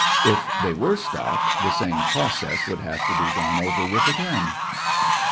If they were stopped the same process would have to be gone over with again.